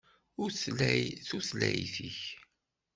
Utlay tutlayt-ik.